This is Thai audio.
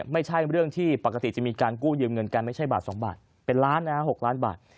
ไม่ใช่เรื่องที่ปกติจะมีการกู้ยืมเงินกันไม่ใช่บาท๒บาทเป็นล้านนะฮะ๖ล้านบาท